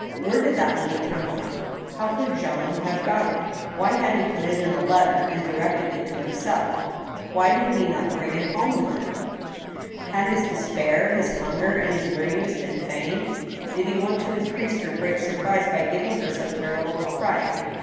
Where did that money come from ? How could Jean have got it ? Why had he put it in a letter and directed it to himself ? Why did he not bring it home with him ? Had his despair, his hunger, and his weariness been feigned ? Did he want to increase her great surprise by giving her so terrible a fright